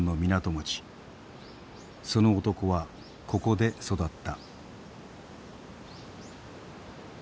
その男はここで育った。